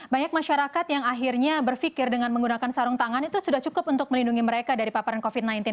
banyak masyarakat yang akhirnya berpikir dengan menggunakan sarung tangan itu sudah cukup untuk melindungi mereka dari paparan covid sembilan belas